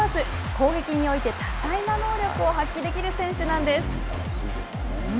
攻撃において多彩な能力を発揮できる選手なんです。